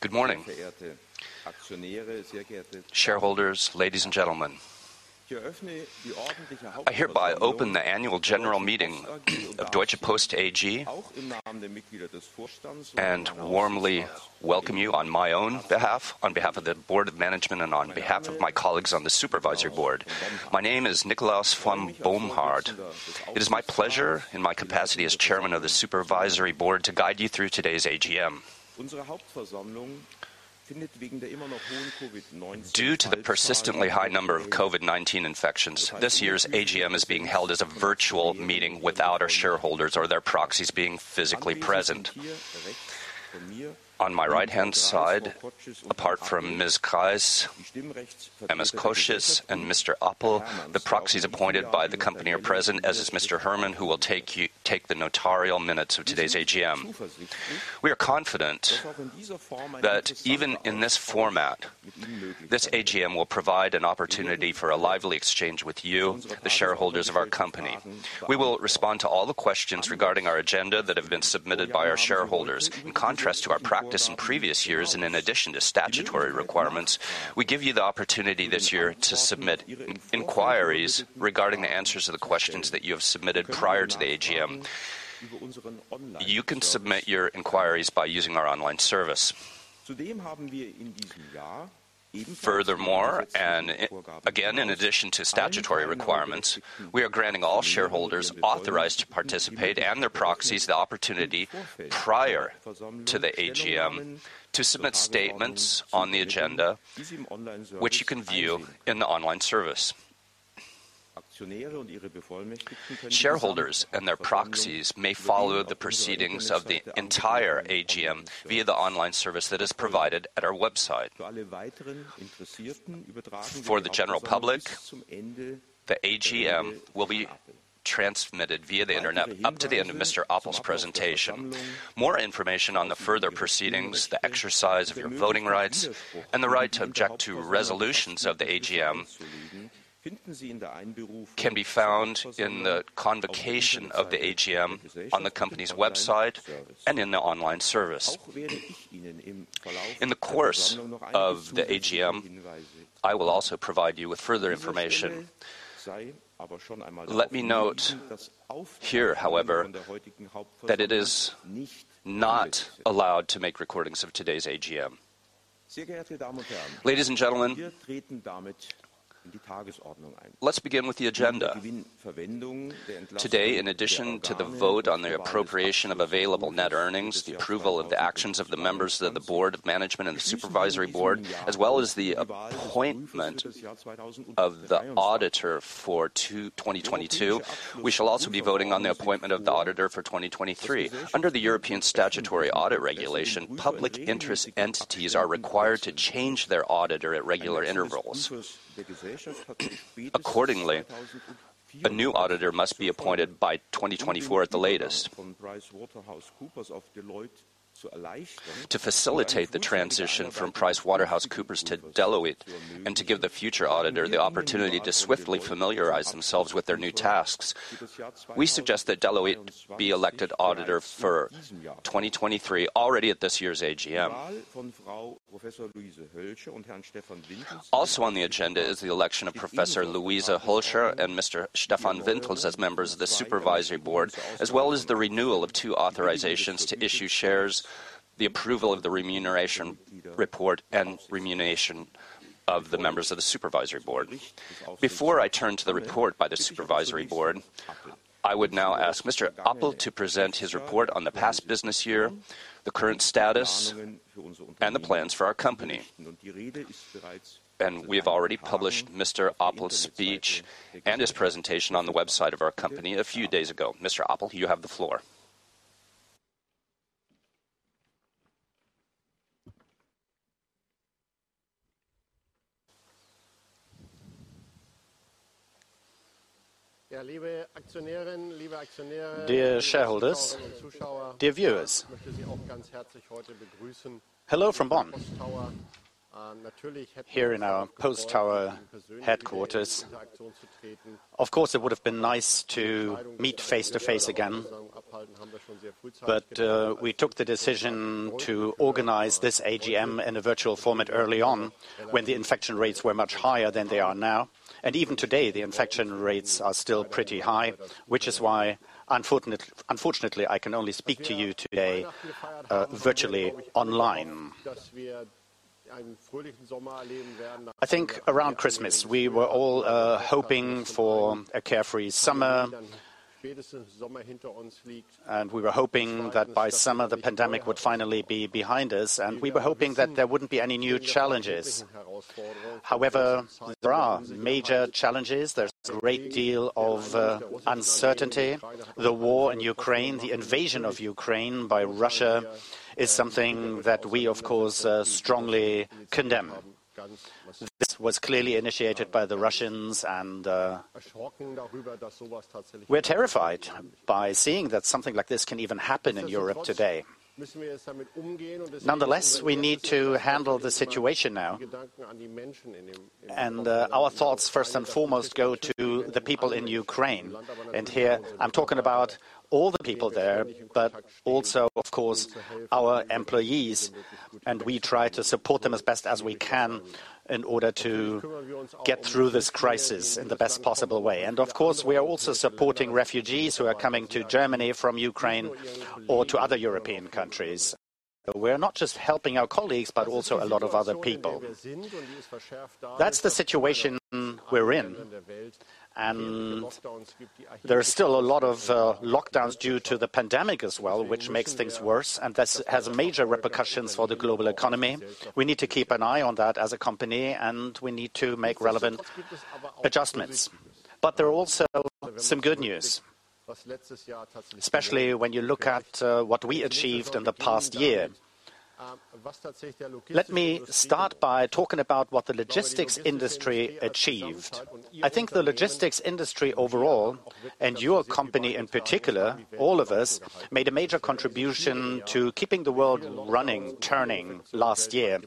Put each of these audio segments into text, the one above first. Good morning. Shareholders, ladies and gentlemen. I hereby open the Annual General Meeting of Deutsche Post AG and warmly welcome you on my own behalf, on behalf of the board of management, and on behalf of my colleagues on the supervisory board. My name is Nikolaus von Bomhard. It is my pleasure in my capacity as chairman of the supervisory board to guide you through today's AGM. Due to the persistently high number of COVID-19 infections, this year's AGM is being held as a virtual meeting without our shareholders or their proxies being physically present. On my right-hand side, apart from Ms. Kreis, Ms. Kocsis, and Mr. Appel, the proxies appointed by the company are present, as is Mr. Hermann, who will take the notarial minutes of today's AGM. We are confident that even in this format, this AGM will provide an opportunity for a lively exchange with you, the shareholders of our company. We will respond to all the questions regarding our agenda that have been submitted by our shareholders. In contrast to our practice in previous years and in addition to statutory requirements, we give you the opportunity this year to submit inquiries regarding the answers to the questions that you have submitted prior to the AGM. You can submit your inquiries by using our online service. Furthermore, and again, in addition to statutory requirements, we are granting all shareholders authorized to participate and their proxies the opportunity prior to the AGM to submit statements on the agenda, which you can view in the online service. Shareholders and their proxies may follow the proceedings of the entire AGM via the online service that is provided at our website. For the general public, the AGM will be transmitted via the Internet up to the end of Mr. Appel's presentation. More information on the further proceedings, the exercise of your voting rights, and the right to object to resolutions of the AGM can be found in the convocation of the AGM on the company's website and in the online service. In the course of the AGM, I will also provide you with further information. Let me note here, however, that it is not allowed to make recordings of today's AGM. Ladies and gentlemen, let's begin with the agenda. Today, in addition to the vote on the appropriation of available net earnings, the approval of the actions of the members of the Board of Management and the Supervisory Board, as well as the appointment of the auditor for 2022, we shall also be voting on the appointment of the auditor for 2023. Under the EU Statutory Audit Regulation, public interest entities are required to change their auditor at regular intervals. Accordingly, a new auditor must be appointed by 2024 at the latest. To facilitate the transition from PricewaterhouseCoopers to Deloitte and to give the future auditor the opportunity to swiftly familiarize themselves with their new tasks, we suggest that Deloitte be elected auditor for 2023 already at this year's AGM. Also on the agenda is the election of Professor Luise Hölscher and Mr. Stefan Wintels as members of the Supervisory Board, as well as the renewal of two authorizations to issue shares, the approval of the remuneration report, and remuneration of the members of the Supervisory Board. Before I turn to the report by the Supervisory Board, I would now ask Mr. Appel to present his report on the past business year, the current status, and the plans for our company. We've already published Mr. Appel's speech and his presentation on the website of our company a few days ago. Mr. Appel, you have the floor. Dear shareholders, dear viewers, hello from Bonn, here in our Post Tower headquarters. Of course, it would have been nice to meet face to face again. We took the decision to organize this AGM in a virtual format early on when the infection rates were much higher than they are now. Even today, the infection rates are still pretty high, which is why unfortunately, I can only speak to you today, virtually online. I think around Christmas, we were all hoping for a carefree summer. We were hoping that by summer, the pandemic would finally be behind us, and we were hoping that there wouldn't be any new challenges. However, there are major challenges. There's a great deal of uncertainty. The war in Ukraine, the invasion of Ukraine by Russia, is something that we, of course, strongly condemn. This was clearly initiated by the Russians and, we're terrified by seeing that something like this can even happen in Europe today. Nonetheless, we need to handle the situation now. Our thoughts first and foremost go to the people in Ukraine. Here I'm talking about all the people there, but also, of course, our employees. We try to support them as best as we can in order to get through this crisis in the best possible way. Of course, we are also supporting refugees who are coming to Germany from Ukraine or to other European countries. We're not just helping our colleagues, but also a lot of other people. That's the situation we're in, and there are still a lot of, lockdowns due to the pandemic as well, which makes things worse, and this has major repercussions for the global economy. We need to keep an eye on that as a company, and we need to make relevant adjustments. There are also some good news, especially when you look at what we achieved in the past year. Let me start by talking about what the logistics industry achieved. I think the logistics industry overall, and your company in particular, all of us, made a major contribution to keeping the world running during last year,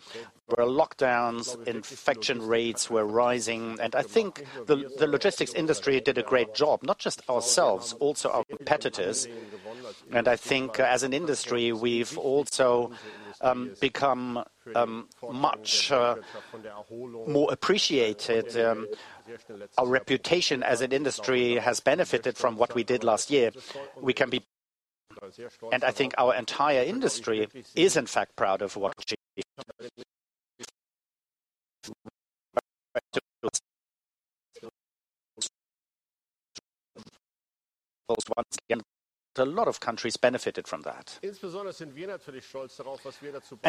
where lockdowns and infection rates were rising. I think the logistics industry did a great job. Not just ourselves, also our competitors. I think as an industry, we've also become much more appreciated. Our reputation as an industry has benefited from what we did last year. I think our entire industry is in fact proud of what we did once again. A lot of countries benefited from that.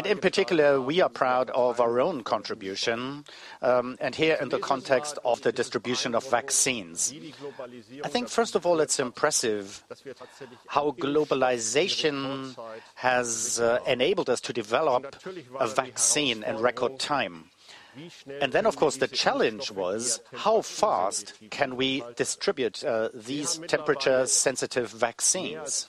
In particular, we are proud of our own contribution, and here in the context of the distribution of vaccines. I think first of all it's impressive how globalization has enabled us to develop a vaccine in record time. Of course, the challenge was how fast can we distribute these temperature-sensitive vaccines?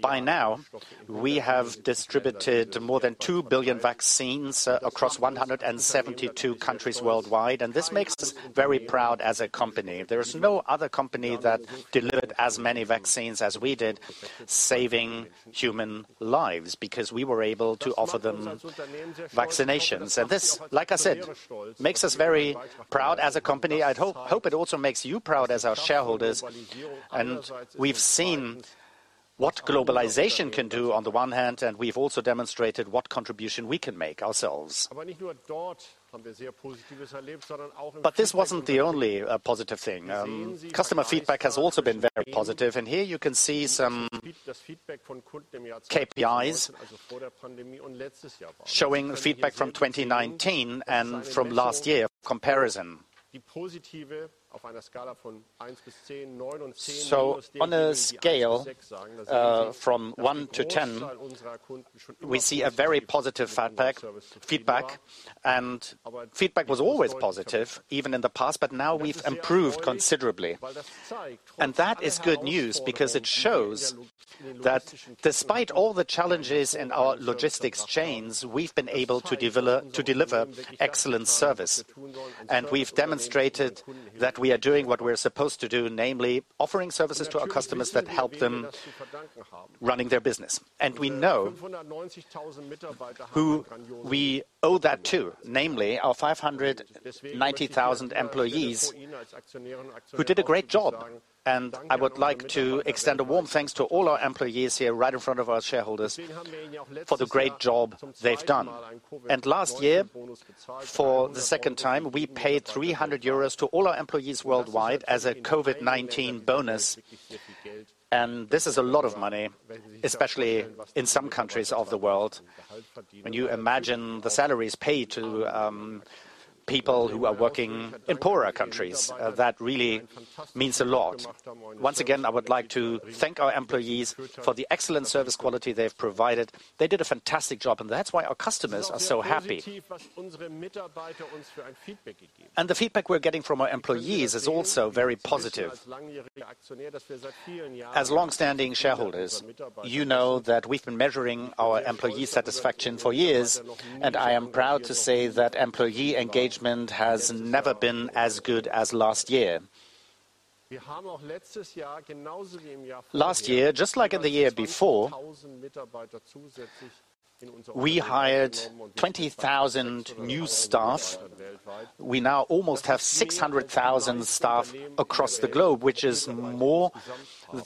By now, we have distributed more than 2 billion vaccines across 172 countries worldwide, and this makes us very proud as a company. There is no other company that delivered as many vaccines as we did, saving human lives because we were able to offer them vaccinations. This, like I said, makes us very proud as a company. I hope it also makes you proud as our shareholders. We've seen what globalization can do on the one hand, and we've also demonstrated what contribution we can make ourselves. This wasn't the only positive thing. Customer feedback has also been very positive. Here you can see some KPIs showing feedback from 2019 and from last year for comparison. On a scale from one to 10, we see a very positive feedback. Feedback was always positive, even in the past. Now we've improved considerably. That is good news because it shows that despite all the challenges in our logistics chains, we've been able to deliver excellent service. We've demonstrated that we are doing what we're supposed to do, namely offering services to our customers that help them running their business. We know who we owe that to, namely our 590,000 employees who did a great job. I would like to extend a warm thanks to all our employees here right in front of our shareholders for the great job they've done. Last year, for the second time, we paid 300 euros to all our employees worldwide as a COVID-19 bonus. This is a lot of money, especially in some countries of the world. When you imagine the salaries paid to people who are working in poorer countries, that really means a lot. Once again, I would like to thank our employees for the excellent service quality they've provided. They did a fantastic job, and that's why our customers are so happy. The feedback we're getting from our employees is also very positive. As long-standing shareholders, you know that we've been measuring our employee satisfaction for years, and I am proud to say that employee engagement has never been as good as last year. Last year, just like in the year before, we hired 20,000 new staff. We now almost have 600,000 staff across the globe, which is more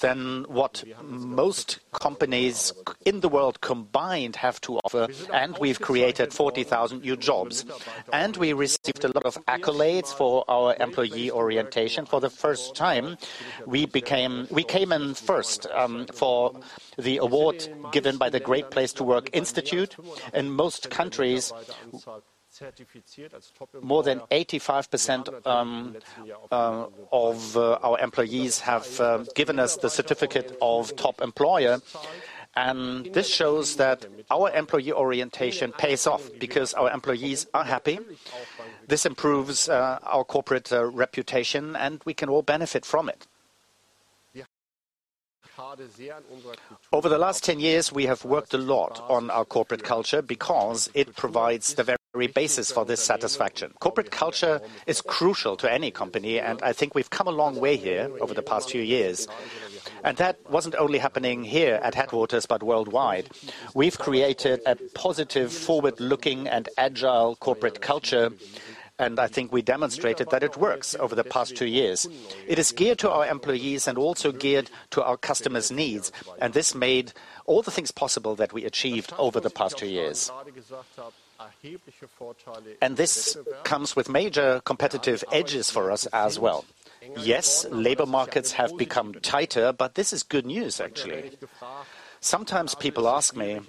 than what most companies in the world combined have to offer, and we've created 40,000 new jobs. We received a lot of accolades for our employee orientation. For the first time, we came in first for the award given by the Great Place to Work Institute. In most countries, more than 85% of our employees have given us the certificate of top employer. This shows that our employee orientation pays off because our employees are happy. This improves our corporate reputation, and we can all benefit from it. Over the last 10 years, we have worked a lot on our corporate culture because it provides the very basis for this satisfaction. Corporate culture is crucial to any company, and I think we've come a long way here over the past few years. That wasn't only happening here at headquarters but worldwide. We've created a positive, forward-looking, and agile corporate culture, and I think we demonstrated that it works over the past two years. It is geared to our employees and also geared to our customers' needs, and this made all the things possible that we achieved over the past two years. This comes with major competitive edges for us as well. Yes, labor markets have become tighter, but this is good news actually. Sometimes people ask me,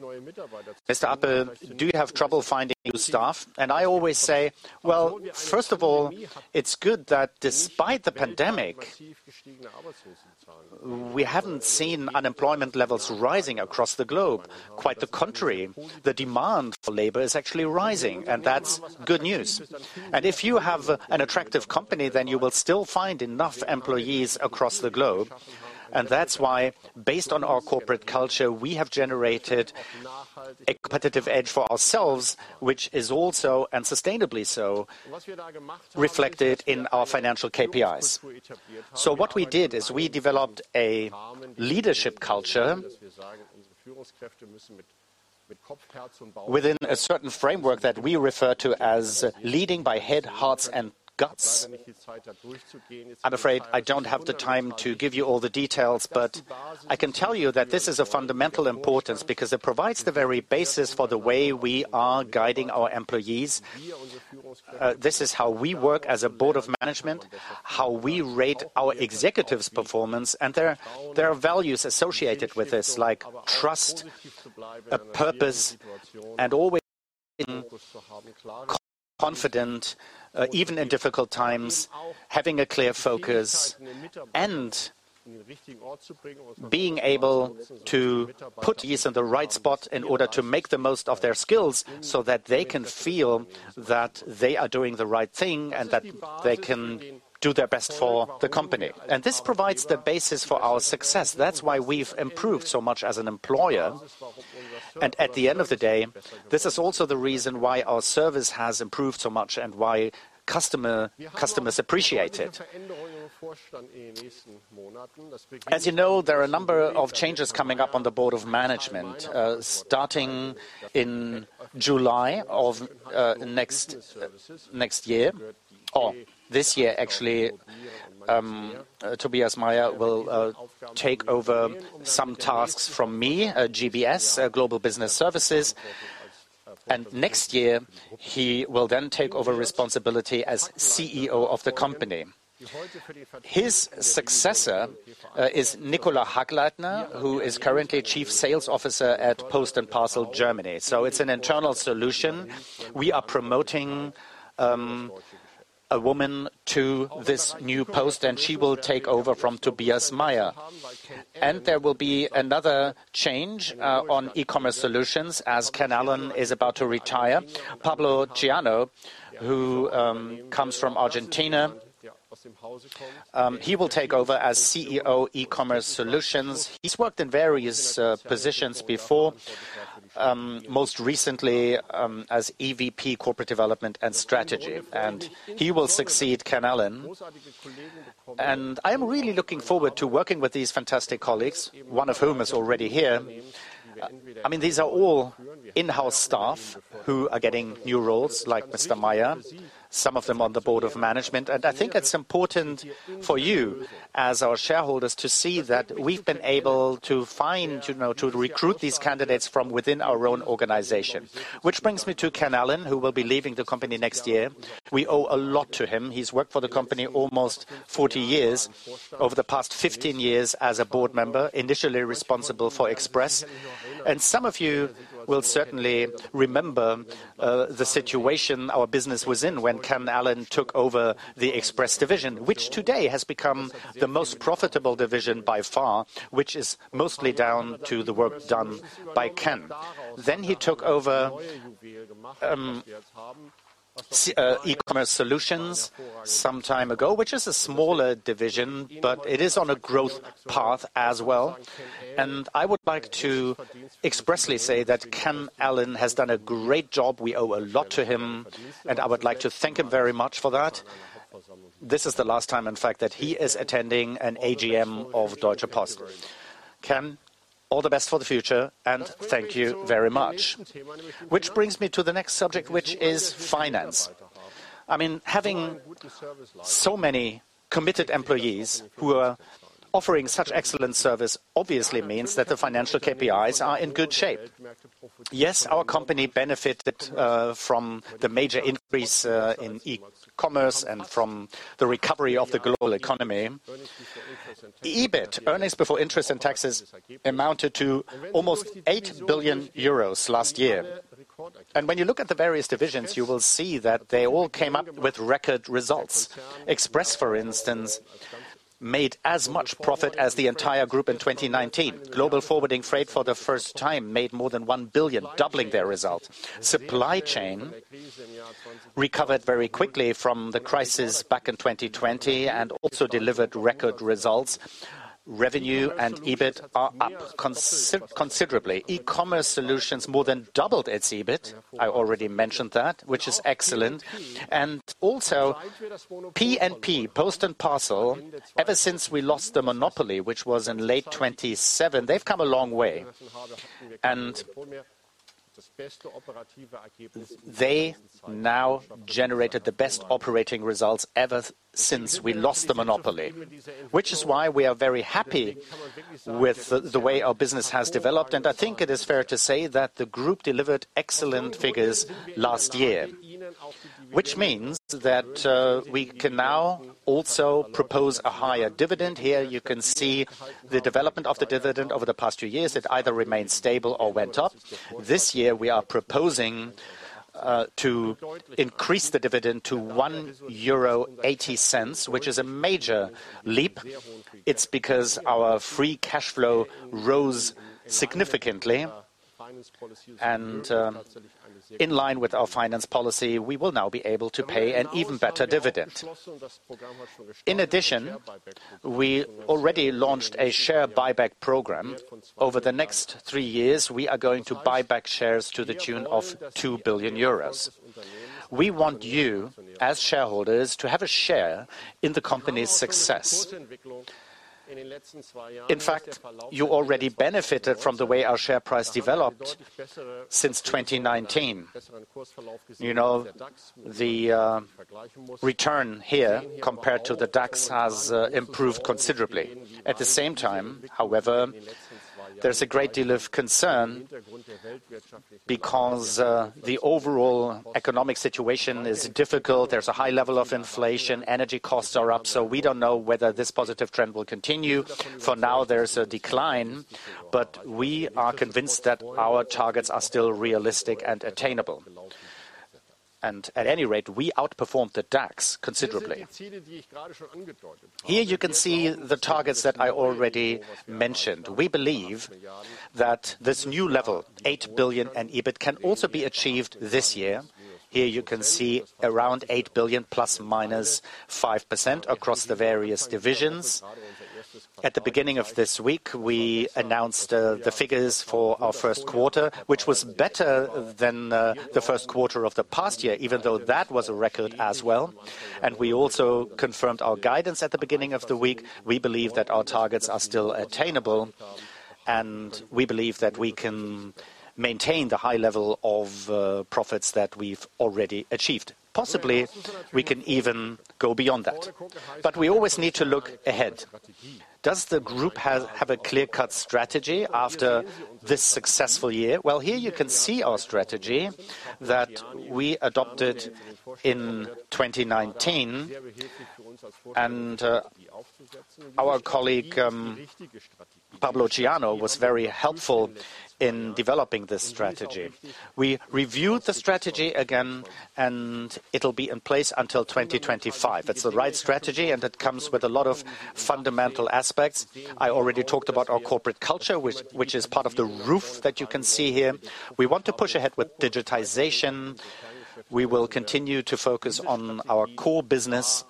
"Mr. Appel, do you have trouble finding new staff?" I always say, "Well, first of all, it's good that despite the pandemic, we haven't seen unemployment levels rising across the globe. Quite the contrary. The demand for labor is actually rising, and that's good news. And if you have an attractive company, then you will still find enough employees across the globe. And that's why based on our corporate culture, we have generated a competitive edge for ourselves, which is also, and sustainably so, reflected in our financial KPIs." What we did is we developed a leadership culture within a certain framework that we refer to as leading by head, heart, and guts. I'm afraid I don't have the time to give you all the details, but I can tell you that this is of fundamental importance because it provides the very basis for the way we are guiding our employees. This is how we work as a board of management, how we rate our executives' performance. There are values associated with this like trust, a purpose, and always being confident, even in difficult times, having a clear focus, and being able to put these in the right spot in order to make the most of their skills so that they can feel that they are doing the right thing and that they can do their best for the company. This provides the basis for our success. That's why we've improved so much as an employer. At the end of the day, this is also the reason why our service has improved so much and why customers appreciate it. As you know, there are a number of changes coming up on the Board of Management starting in July of next year. Or this year, actually, Tobias Meyer will take over some tasks from me at GBS, Global Business Services. Next year, he will then take over responsibility as CEO of the company. His successor is Nikola Hagleitner, who is currently Chief Sales Officer at Post & Parcel Germany. It's an internal solution. We are promoting a woman to this new post, and she will take over from Tobias Meyer. There will be another change on eCommerce Solutions as Ken Allen is about to retire. Pablo Ciano, who comes from Argentina, he will take over as CEO, eCommerce Solutions. He's worked in various positions before, most recently, as EVP Corporate Development and Strategy. He will succeed Ken Allen. I am really looking forward to working with these fantastic colleagues, one of whom is already here. I mean, these are all in-house staff who are getting new roles like Mr. Meyer, some of them on the board of management. I think it's important for you as our shareholders to see that we've been able to find, you know, to recruit these candidates from within our own organization. Which brings me to Ken Allen, who will be leaving the company next year. We owe a lot to him. He's worked for the company almost 40 years, over the past 15 years as a board member, initially responsible for Express. Some of you will certainly remember the situation our business was in when Ken Allen took over the Express Division, which today has become the most profitable division by far, which is mostly down to the work done by Ken. He took over eCommerce Solutions some time ago, which is a smaller division, but it is on a growth path as well. I would like to expressly say that Ken Allen has done a great job. We owe a lot to him, and I would like to thank him very much for that. This is the last time, in fact, that he is attending an AGM of Deutsche Post. Ken, all the best for the future, and thank you very much. Which brings me to the next subject, which is finance. I mean, having so many committed employees who are offering such excellent service obviously means that the financial KPIs are in good shape. Yes, our company benefited from the major increase in eCommerce and from the recovery of the global economy. EBIT, earnings before interest and taxes, amounted to almost 8 billion euros last year. When you look at the various divisions, you will see that they all came up with record results. DHL Express, for instance, made as much profit as the entire group in 2019. Global Forwarding, Freight for the first time made more than 1 billion, doubling their result. DHL Supply Chain recovered very quickly from the crisis back in 2020 and also delivered record results. Revenue and EBIT are up considerably. DHL eCommerce Solutions more than doubled its EBIT. I already mentioned that, which is excellent. Also P&P, Post and Parcel, ever since we lost the monopoly, which was in late 2017, they've come a long way. They now generated the best operating results ever since we lost the monopoly, which is why we are very happy with the way our business has developed. I think it is fair to say that the group delivered excellent figures last year, which means that we can now also propose a higher dividend. Here, you can see the development of the dividend over the past few years. It either remained stable or went up. This year, we are proposing to increase the dividend to 1.80 euro, which is a major leap. It's because our free cash flow rose significantly. In line with our finance policy, we will now be able to pay an even better dividend. In addition, we already launched a share buyback program. Over the next three years, we are going to buy back shares to the tune of 2 billion euros. We want you, as shareholders, to have a share in the company's success. In fact, you already benefited from the way our share price developed since 2019. You know, the return here compared to the DAX has improved considerably. At the same time, however, there's a great deal of concern because the overall economic situation is difficult. There's a high level of inflation. Energy costs are up, so we don't know whether this positive trend will continue. For now, there's a decline, but we are convinced that our targets are still realistic and attainable. At any rate, we outperformed the DAX considerably. Here you can see the targets that I already mentioned. We believe that this new level, 8 billion in EBIT, can also be achieved this year. Here you can see around 8 billion ±5% across the various divisions. At the beginning of this week, we announced the figures for our first quarter, which was better than the first quarter of the past year, even though that was a record as well. We also confirmed our guidance at the beginning of the week. We believe that our targets are still attainable, and we believe that we can maintain the high level of profits that we've already achieved. Possibly, we can even go beyond that. We always need to look ahead. Does the group have a clear-cut strategy after this successful year? Well, here you can see our strategy that we adopted in 2019. Our colleague, Pablo Ciano, was very helpful in developing this strategy. We reviewed the strategy again, and it'll be in place until 2025. That's the right strategy, and it comes with a lot of fundamental aspects. I already talked about our corporate culture, which is part of the roof that you can see here. We want to push ahead with digitization. We will continue to focus on our core business.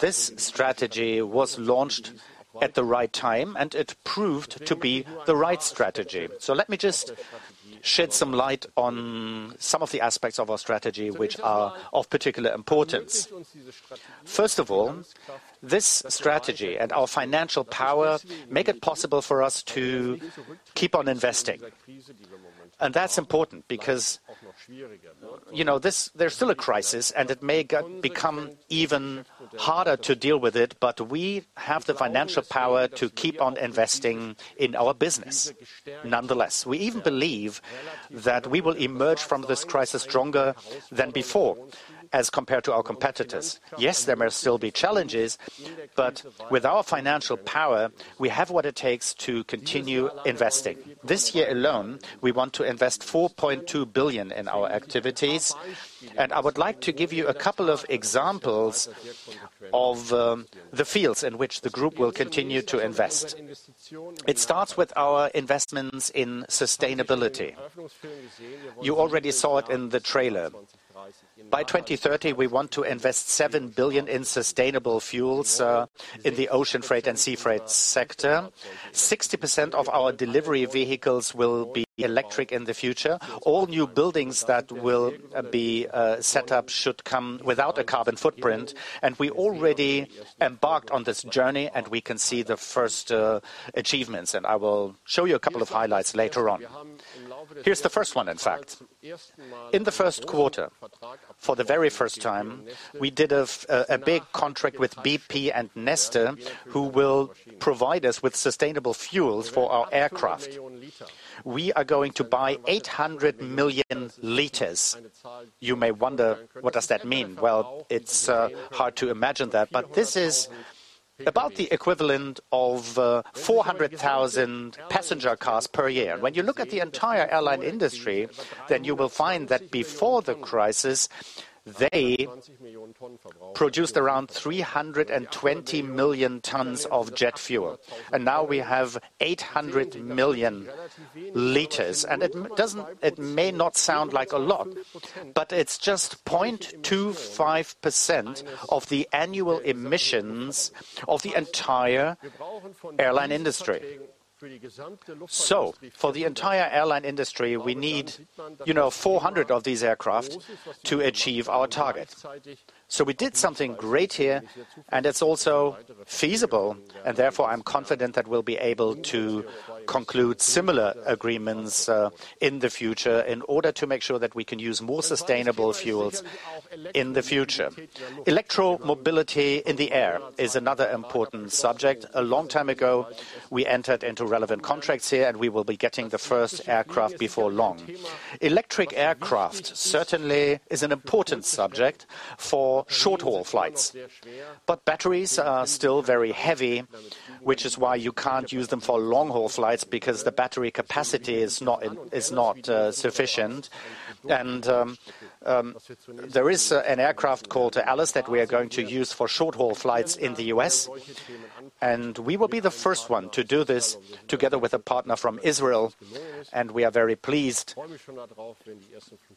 This strategy was launched at the right time, and it proved to be the right strategy. Let me just shed some light on some of the aspects of our strategy which are of particular importance. First of all, this strategy and our financial power make it possible for us to keep on investing. That's important because, you know, this there's still a crisis, and it may become even harder to deal with it, but we have the financial power to keep on investing in our business. Nonetheless, we even believe that we will emerge from this crisis stronger than before as compared to our competitors. Yes, there may still be challenges, but with our financial power, we have what it takes to continue investing. This year alone, we want to invest 4.2 billion in our activities, and I would like to give you a couple of examples of the fields in which the group will continue to invest. It starts with our investments in sustainability. You already saw it in the trailer. By 2030, we want to invest 7 billion in sustainable fuels in the ocean freight and sea freight sector. 60% of our delivery vehicles will be electric in the future. All new buildings that will be set up should come without a carbon footprint. We already embarked on this journey, and we can see the first achievements, and I will show you a couple of highlights later on. Here's the first one, in fact. In the first quarter, for the very first time, we did a big contract with BP and Neste, who will provide us with sustainable fuels for our aircraft. We are going to buy 800,000,000 L. You may wonder, what does that mean? Well, it's hard to imagine that, but this is about the equivalent of 400,000 passenger cars per year. When you look at the entire airline industry, then you will find that before the crisis, they produced around 320,000,000 tons of jet fuel. Now we have 800,000,000 L. It may not sound like a lot, but it's just 0.25% of the annual emissions of the entire airline industry. For the entire airline industry, we need, you know, 400 of these aircraft to achieve our target. We did something great here, and it's also feasible, and therefore I'm confident that we'll be able to conclude similar agreements in the future in order to make sure that we can use more sustainable fuels in the future. Electromobility in the air is another important subject. A long time ago, we entered into relevant contracts here, and we will be getting the first aircraft before long. Electric aircraft certainly is an important subject for short-haul flights. Batteries are still very heavy, which is why you can't use them for long-haul flights because the battery capacity is not sufficient. There is an aircraft called Alice that we are going to use for short-haul flights in the US. We will be the first one to do this together with a partner from Israel, and we are very pleased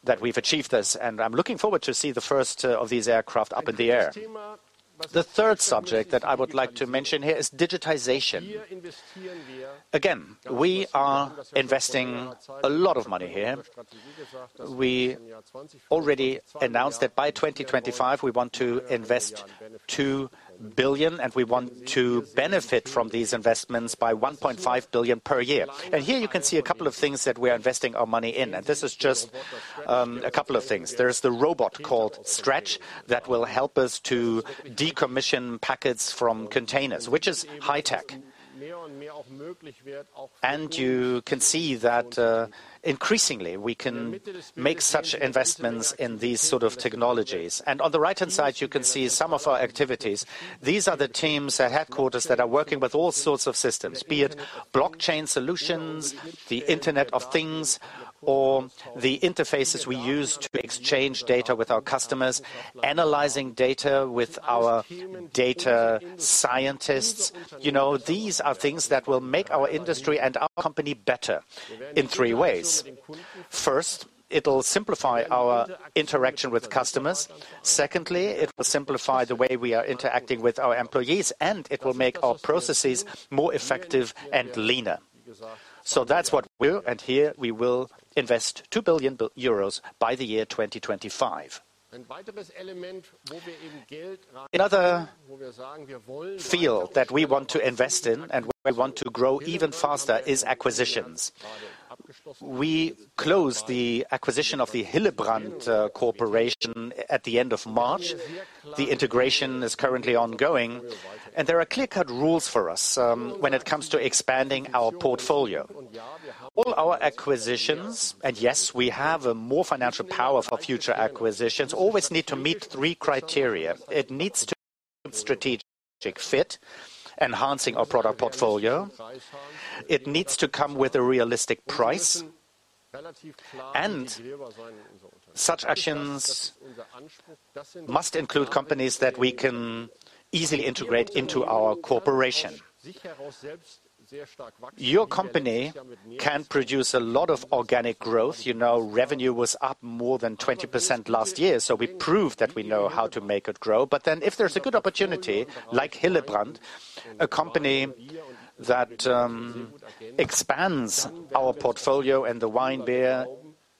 that we've achieved this. I'm looking forward to see the first of these aircraft up in the air. The third subject that I would like to mention here is digitization. Again, we are investing a lot of money here. We already announced that by 2025, we want to invest 2 billion, and we want to benefit from these investments by 1.5 billion per year. Here you can see a couple of things that we are investing our money in. This is just a couple of things. There's the robot called Stretch that will help us to unload parcels from containers, which is high tech. You can see that increasingly we can make such investments in these sort of technologies. On the right-hand side, you can see some of our activities. These are the teams at headquarters that are working with all sorts of systems, be it blockchain solutions, the Internet of Things or the interfaces we use to exchange data with our customers, analyzing data with our data scientists. You know, these are things that will make our industry and our company better in three ways. First, it'll simplify our interaction with customers. Secondly, it will simplify the way we are interacting with our employees, and it will make our processes more effective and leaner. That's what we will invest in here, 2 billion euros by the year 2025. Another field that we want to invest in and where we want to grow even faster is acquisitions. We closed the acquisition of the Hillebrand Corporation at the end of March. The integration is currently ongoing. There are clear-cut rules for us when it comes to expanding our portfolio. All our acquisitions, and yes, we have more financial power for future acquisitions, always need to meet three criteria. It needs to strategic fit, enhancing our product portfolio. It needs to come with a realistic price. Such actions must include companies that we can easily integrate into our corporation. Your company can produce a lot of organic growth. You know, revenue was up more than 20% last year, so we proved that we know how to make it grow. If there's a good opportunity like Hillebrand, a company that expands our portfolio in the Wine, Beer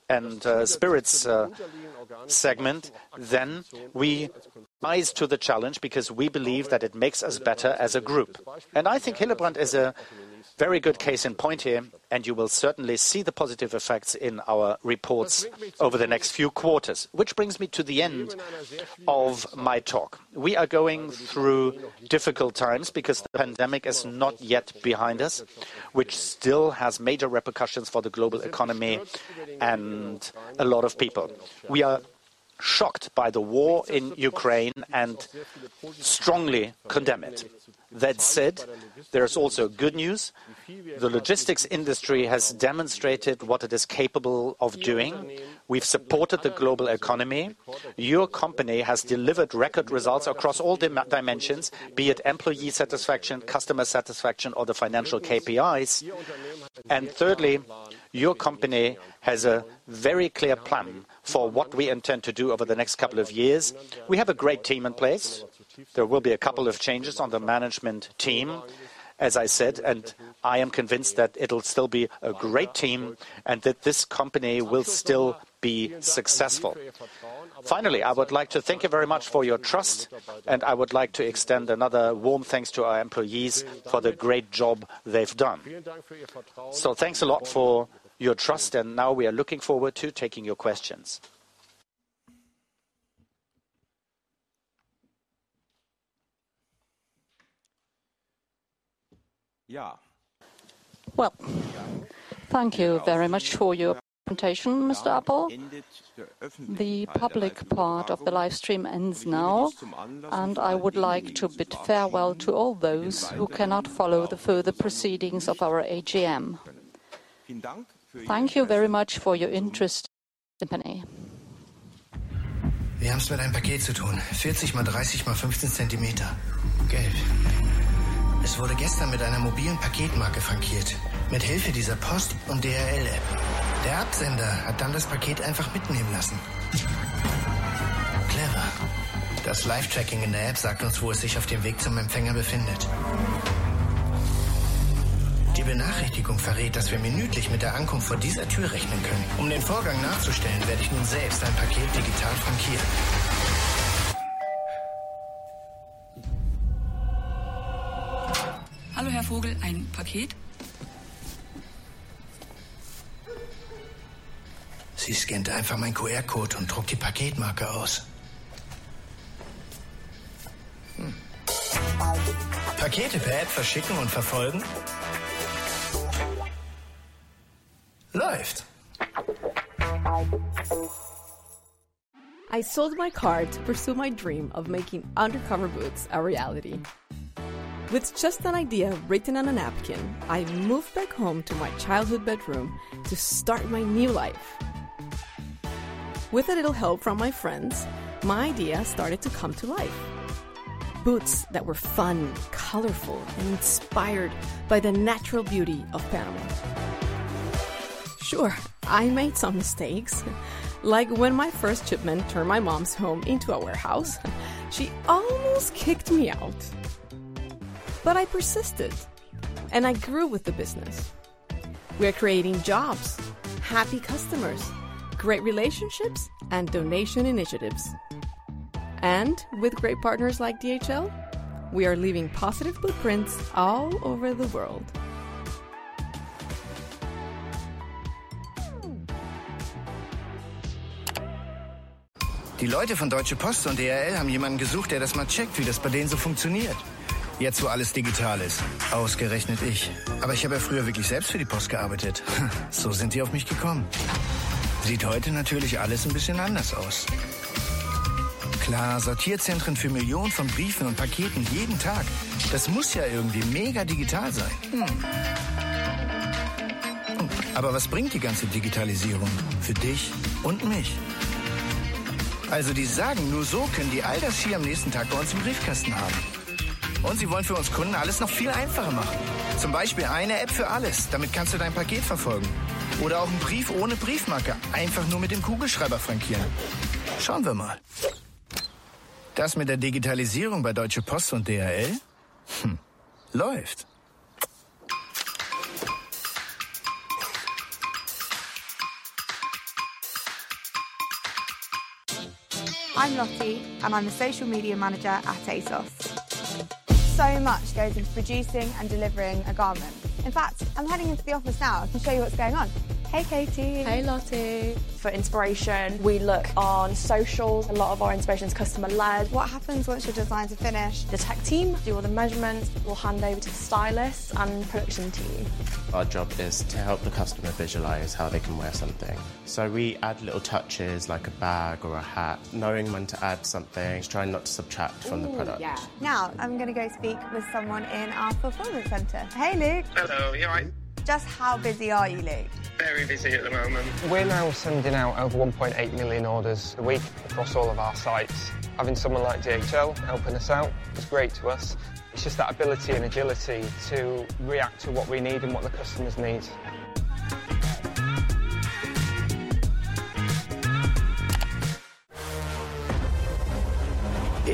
and Spirits segment, then we rise to the challenge because we believe that it makes us better as a group. I think Hillebrand is a very good case in point here, and you will certainly see the positive effects in our reports over the next few quarters. Which brings me to the end of my talk. We are going through difficult times because the pandemic is not yet behind us, which still has major repercussions for the global economy and a lot of people. We are shocked by the war in Ukraine and strongly condemn it. That said, there's also good news. The logistics industry has demonstrated what it is capable of doing. We've supported the global economy. Your company has delivered record results across all dimensions, be it employee satisfaction, customer satisfaction, or the financial KPIs. Thirdly, your company has a very clear plan for what we intend to do over the next couple of years. We have a great team in place. There will be a couple of changes on the management team, as I said, and I am convinced that it'll still be a great team and that this company will still be successful. Finally, I would like to thank you very much for your trust, and I would like to extend another warm thanks to our employees for the great job they've done. Thanks a lot for your trust, and now we are looking forward to taking your questions. Well, thank you very much for your presentation, Mr. Appel. The public part of the live stream ends now, and I would like to bid farewell to all those who cannot follow the further proceedings of our AGM. Thank you very much for your interest in our company. Wir haben's mit einem Paket zu tun. 40 x 30 x 15 Zentimeter. Geld. Es wurde gestern mit einer mobilen Paketmarke frankiert. Mithilfe dieser Post- und DHL-App. Der Absender hat dann das Paket einfach mitnehmen lassen. Clever. Das Live-Tracking in der App sagt uns, wo es sich auf dem Weg zum Empfänger befindet. Die Benachrichtigung verrät, dass wir minütlich mit der Ankunft vor dieser Tür rechnen können. Um den Vorgang nachzustellen, werde ich nun selbst ein Paket digital frankieren. Hallo Herr Vogel, ein Paket. Sie scannt einfach meinen QR Code und druckt die Paketmarke aus. Pakete-App, verschicken und verfolgen. Läuft. I sold my car to pursue my dream of making Undercover Boots a reality. With just an idea written on a napkin, I moved back home to my childhood bedroom to start my new life. With a little help from my friends, my idea started to come to life. Boots that were fun, colorful, and inspired by the natural beauty of Panama. Sure, I made some mistakes. Like when my first shipment turned my mom's home into a warehouse, she almost kicked me out. I persisted, and I grew with the business. We are creating jobs, happy customers, great relationships, and donation initiatives. With great partners like DHL, we are leaving positive blueprints all over the world. Die Leute von Deutsche Post und DHL haben jemanden gesucht, der das mal checkt, wie das bei denen so funktioniert. Jetzt, wo alles digital ist. Ausgerechnet ich. Ich habe ja früher wirklich selbst für die Post gearbeitet. Sind die auf mich gekommen. Sieht heute natürlich alles ein bisschen anders aus. Klar, Sortierzentren für Millionen von Briefen und Paketen jeden Tag. Das muss ja irgendwie mega digital sein. Was bringt die ganze Digitalisierung für dich und mich? Die sagen, nur so können die all das hier am nächsten Tag bei uns im Briefkasten haben. Sie wollen für uns Kunden alles noch viel einfacher machen. Zum Beispiel eine App für alles. Damit kannst du dein Paket verfolgen. Oder auch einen Brief ohne Briefmarke einfach nur mit dem Kugelschreiber frankieren. Schauen wir mal. Das mit der Digitalisierung bei Deutsche Post und DHL? Läuft. I'm Lottie, and I'm the social media manager at ASOS. So much goes into producing and delivering a garment. In fact, I'm heading into the office now to show you what's going on. Hey, Katie. Hey, Lottie. For inspiration, we look on socials. A lot of our inspiration is customer-led. What happens once your designs are finished? The tech team do all the measurements. We'll hand over to the stylists and production team. Our job is to help the customer visualize how they can wear something. We add little touches like a bag or a hat, knowing when to add something, trying not to subtract from the product. Now I'm going to go speak with someone in our performance center. Hey, Luke. Hello. You all right? Just how busy are you, Luke? Very busy at the moment. We're now sending out over 1.8 million orders a week across all of our sites. Having someone like DHL helping us out is great to us. It's just that ability and agility to react to what we need and what the customers need.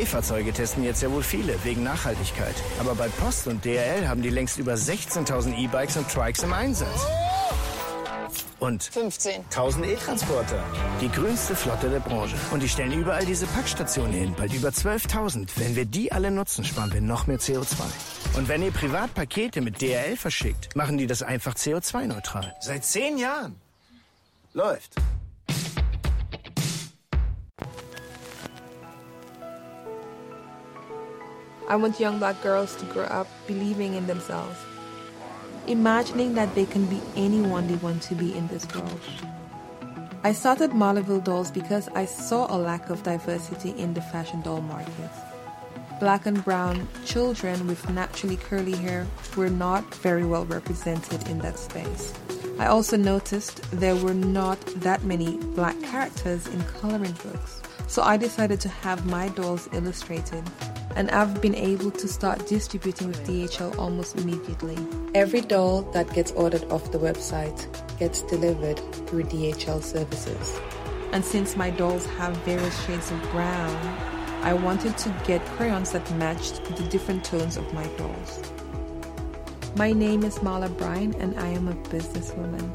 E-Fahrzeuge testen jetzt ja wohl viele wegen Nachhaltigkeit. Bei Post und DHL haben die längst über 16,000 E-Bikes und Trikes im Einsatz. 15,000 E-Transporter. Die grünste Flotte der Branche. Die stellen überall diese Packstationen hin, bald über 12,000. Wenn wir die alle nutzen, sparen wir noch mehr CO2. Wenn ihr privat Pakete mit DHL verschickt, machen die das einfach CO2-neutral. Seit 10 Jahren. Läuft. I want young Black girls to grow up believing in themselves, imagining that they can be anyone they want to be in this world. I started Malaville Dolls because I saw a lack of diversity in the fashion doll market. Black and brown children with naturally curly hair were not very well represented in that space. I also noticed there were not that many Black characters in coloring books. I decided to have my dolls illustrated, and I've been able to start distributing with DHL almost immediately. Every doll that gets ordered off the website gets delivered through DHL services. Since my dolls have various shades of brown, I wanted to get crayons that matched the different tones of my dolls. My name is Mala Bryant, and I am a businesswoman.